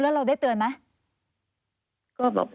แล้วเราได้เตือนไหม